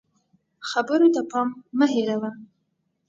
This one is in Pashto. خبرو ته پام مه هېروه